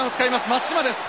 松島です。